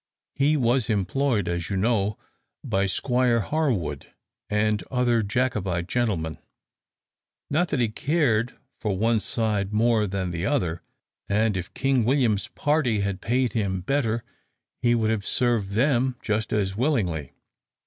He was employed, as you know, by Squire Harwood and other Jacobite gentlemen not that he cared for one side more than the other, and if King William's party had paid him better, he would have served them just as willingly.